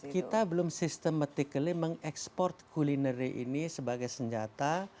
kita belum systematicaly mengeksport kuliner ini sebagai senjata